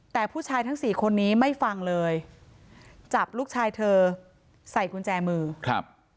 แต่ผู้ชายทั้งสี่คนนี้ไม่ฟังเลยจับลูกชายเธอใส่กุญแจมือครับ